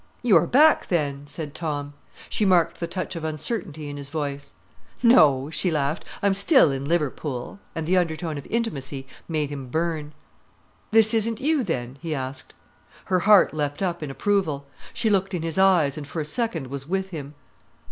"You are back, then!" said Tom. She marked the touch of uncertainty in his voice. "No," she laughed, "I'm still in Liverpool," and the undertone of intimacy made him burn. "This isn't you, then?" he asked. Her heart leapt up in approval. She looked in his eyes, and for a second was with him.